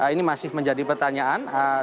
ini masih menjadi pertanyaan